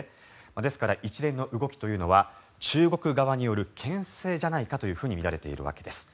ですから、一連の動きというのは中国側によるけん制じゃないかというふうにみられているわけです。